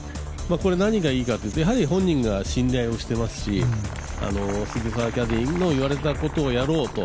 これ何がいいかというとやはり本人が信頼していますし杉澤キャディーの言われたことをやろうと。